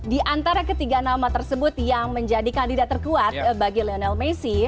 di antara ketiga nama tersebut yang menjadi kandidat terkuat bagi lionel messi